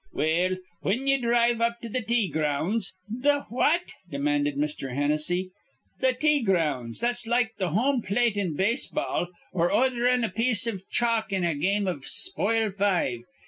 "Well, whin ye dhrive up to th' tea grounds" "Th' what?" demanded Mr. Hennessy. "Th' tea grounds, that's like th' homeplate in base ball or ordherin' a piece iv chalk in a game iv spoil five.